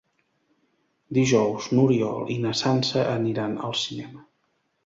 Dijous n'Oriol i na Sança aniran al cinema.